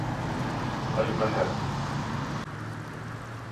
المها